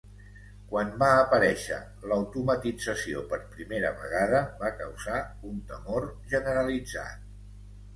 Quan va aparèixer l'automatització per primera vegada, va causar un temor generalitzat.